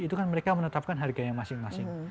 itu kan mereka menetapkan harganya masing masing